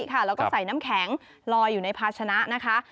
แล้วก็ใส่น้ำแข็งลอยอยู่ในภาชนะนะคะ